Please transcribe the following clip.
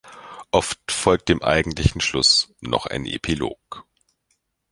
Oft folgt dem eigentlichen Schluss noch ein Epilog.